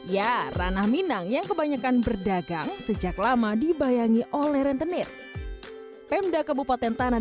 ya ranah minang yang kebanyakan berdagang sejak lama dibayangi oleh rentenir pemda kebupaten tanah